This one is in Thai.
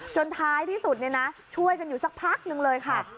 ท้ายที่สุดช่วยกันอยู่สักพักนึงเลยค่ะ